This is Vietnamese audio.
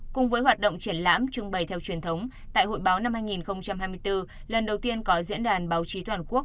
cùng với hoạt động triển lãm trưng bày theo truyền thống tại hội báo năm hai nghìn hai mươi bốn lần đầu tiên có diễn đàn báo chí toàn quốc